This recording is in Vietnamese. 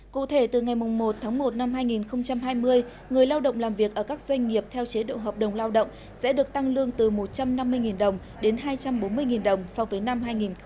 cụ thể từ ngày một tháng một năm hai nghìn hai mươi người lao động làm việc ở các doanh nghiệp theo chế độ hợp đồng lao động sẽ được tăng lương từ một trăm năm mươi đồng đến hai trăm bốn mươi đồng so với năm hai nghìn một mươi chín